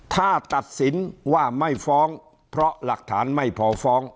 ถ้าตัดสินว่าไม่ฟ้องเพราะหลักฐานไม่พอฟ้อง